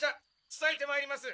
つたえてまいります。